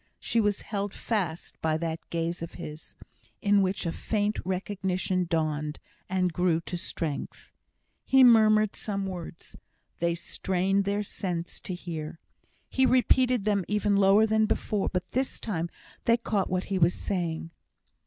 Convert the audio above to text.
She was held fast by that gaze of his, in which a faint recognition dawned, and grew to strength. He murmured some words. They strained their sense to hear. He repeated them even lower than before; but this time they caught what he was saying.